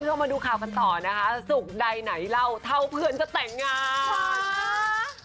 เรามาดูข่าวกันต่อนะคะสุขใดไหนเล่าเท่าเพื่อนจะแต่งงาน